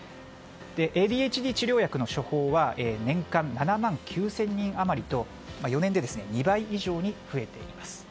ＡＤＨＤ治療薬の処方は年間７万９０００人余りと４年で２倍以上に増えています。